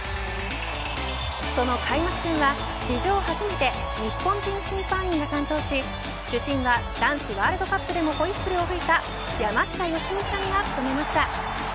その開幕戦は、史上初めて日本人審判員が担当し主審は男子ワールドカップでもホイッスルを吹いた山下良美さんが務めました。